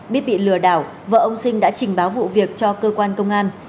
biết bị lừa đảo vợ ông sinh đã trình báo vụ việc cho cơ quan công an